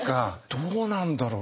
どうなんだろう。